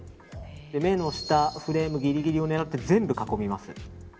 目の下、フレームギリギリを狙って全部囲みます。